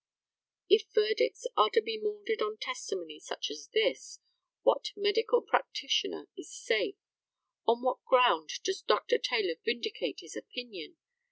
If verdicts are to be moulded on testimony such as this, what medical practitioner is safe? On what ground does Dr. Taylor vindicate his opinion?